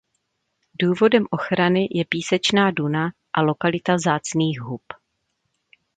Důvodem ochrany je písečná duna a lokalita vzácných hub.